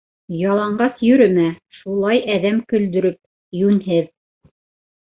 Яланғас йөрөмә шулай әҙәм көлдөрөп, йүнһеҙ!